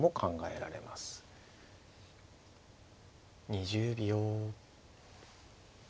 ２０秒。